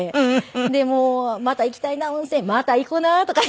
でもう「また行きたいな温泉」「また行こな」とか言って。